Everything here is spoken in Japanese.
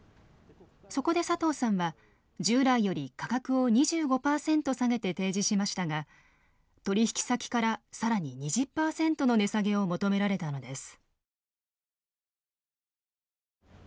そこで佐藤さんは従来より価格を２５％下げて提示しましたが取引先から更に２０％の値下げを求められたのです。